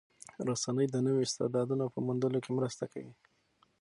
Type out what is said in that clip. رسنۍ د نویو استعدادونو په موندلو کې مرسته کوي.